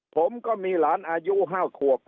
ผมก็มีหลานอายุ๕ขวบ